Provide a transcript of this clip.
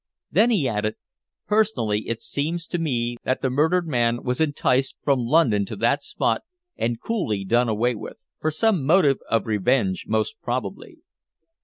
Then he added: "Personally, it seems to me that the murdered man was enticed from London to that spot and coolly done away with from some motive of revenge, most probably."